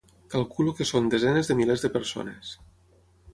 Calculo que són desenes de milers de persones.